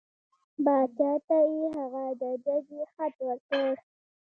باچا ته یې هغه د ججې خط ورکړ.